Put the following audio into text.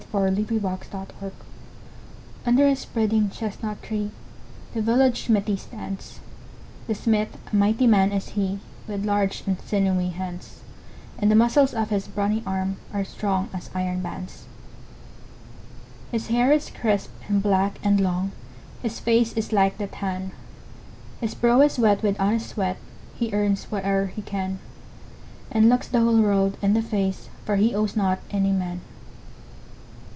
The Village Blacksmith UNDER a spreading chestnut tree The village smithy stands; The smith, a mighty man is he, With large and sinewy hands; And the muscles of his brawny arm Are strong as iron bands. His hair is crisp, and black, and long, His face is like the tan; His brow is wet with honest sweat, He earns whate'er he can, And looks the whole world in the face, For he owes not any man.